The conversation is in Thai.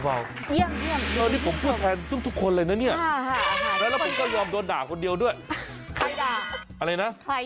อันนั้นนะเฮ้ย